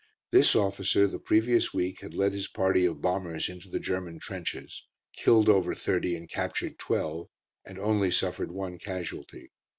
This officer the previous week had led his party of bombers into the German trenches, killed over thirty and captured twelve, and only suffered one casualty.